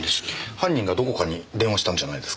犯人がどこかに電話したんじゃないですか？